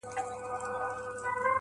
صبر چي تا د ژوند، د هر اړخ استاده کړمه.